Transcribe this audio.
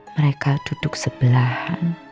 mereka duduk sebelahan